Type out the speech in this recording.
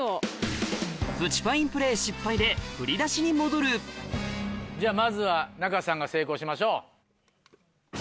プチファインプレー失敗で振り出しに戻るじゃあまずは仲さんが成功しましょう。